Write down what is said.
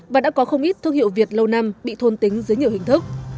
và đã có không ít thương hiệu việt lâu năm bị thôn tính dưới nhiều hình thức